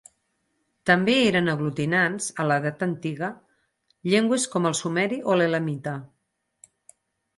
També eren aglutinants, a l'Edat antiga, llengües com el sumeri o l'elamita.